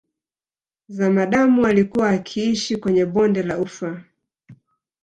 Zamadamu alikuwa akiishi kwenye bonde la Ufa